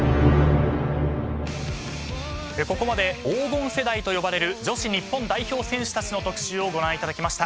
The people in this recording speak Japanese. ここまで黄金世代と呼ばれる女子日本代表選手たちの特集をご覧いただきました。